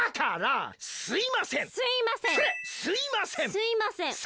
すいません。